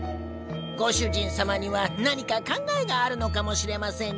ご主人様には何か考えがあるのかもしれませんニャ。